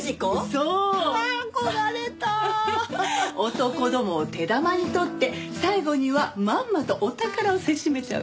男どもを手玉に取って最後にはまんまとお宝をせしめちゃう。